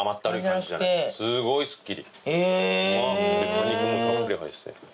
果肉もたっぷり入ってて。